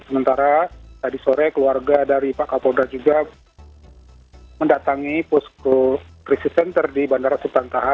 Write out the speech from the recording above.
sementara tadi sore keluarga dari pak kapolda juga mendatangi posko krisis center di bandara sultan taha